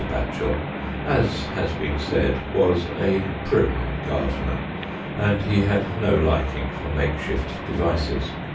Batchel, as has been said, was a prim gardener, and he had no liking for makeshift devices.